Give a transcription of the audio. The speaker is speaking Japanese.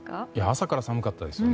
朝から寒かったですね。